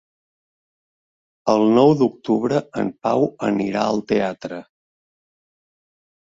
El nou d'octubre en Pau anirà al teatre.